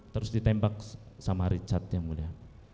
terus ditembak sama richard yang mulia